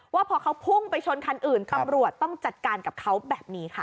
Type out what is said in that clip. ว่าพอเขาพุ่งไปชนคันอื่นตำรวจต้องจัดการกับเขาแบบนี้ค่ะ